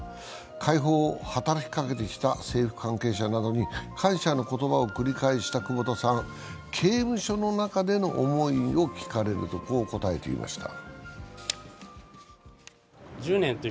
解放を働きかけてきた政府関係者などに感謝の言葉を繰り返した久保田さん、刑務所の中での思いを聞かれるとこう答えていました。